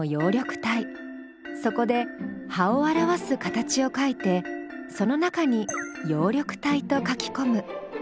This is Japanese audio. そこで葉を表す形を書いてその中に「葉緑体」と書きこむ。